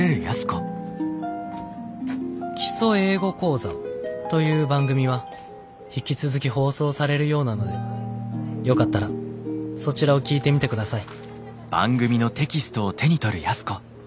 「『基礎英語講座』という番組は引き続き放送されるようなのでよかったらそちらを聴いてみてください」。